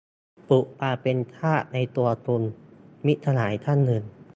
"ปลุกความเป็นทาสในตัวคุณ" - มิตรสหายท่านหนึ่ง